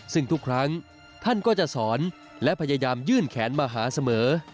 ซึ่งทุกครั้งท่านก็จะสอนและพยายามยื่นแขนมาหาเสมอ